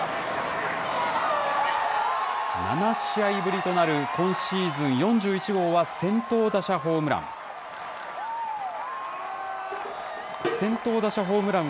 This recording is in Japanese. ７試合ぶりとなる今シーズン４１号は、先頭打者ホームラン。